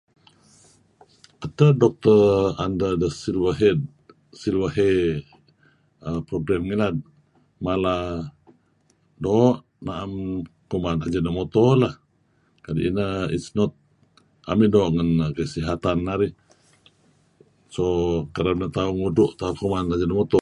Edteh Dr under siruahhib program ngilad mala doo' naem kuman Ajinomoto lah kadi' ineh its not, naem doo' ngen kesihatan narih. So kereb neh tauh ngudtu' tauh kuman Ajinomoto.